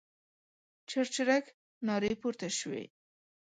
چرچرک نارې پورته شوې.